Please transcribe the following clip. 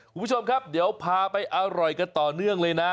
คุณผู้ชมครับเดี๋ยวพาไปอร่อยกันต่อเนื่องเลยนะ